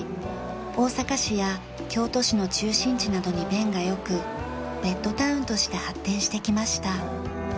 大阪市や京都市の中心地などに便が良くベッドタウンとして発展してきました。